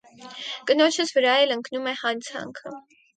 կնոջս վրա էլ ընկնում է հանցանքը: